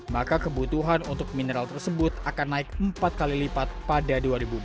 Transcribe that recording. maka kebutuhan untuk mineral tersebut akan naik empat kali lipat pada dua ribu empat puluh